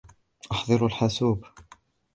أحضروا الحاسوب.